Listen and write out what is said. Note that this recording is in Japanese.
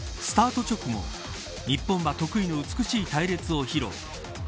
スタート直後日本は得意の美しい隊列を披露。